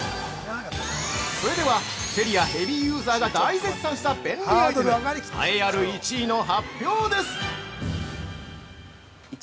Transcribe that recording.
◆それでは、セリアヘビーユーザーが大絶賛した便利アイテム栄えある１位の発表です！